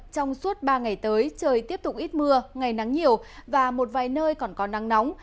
trong suốt ba ngày tới trời tiếp tục ít mưa ngày nắng nhiều và một vài nơi còn có nắng nóng